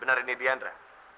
benar ini diandra